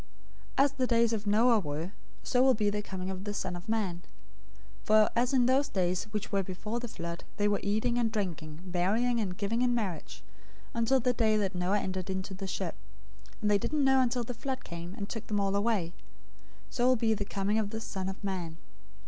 024:037 "As the days of Noah were, so will be the coming of the Son of Man. 024:038 For as in those days which were before the flood they were eating and drinking, marrying and giving in marriage, until the day that Noah entered into the ark, 024:039 and they didn't know until the flood came, and took them all away, so will be the coming of the Son of Man.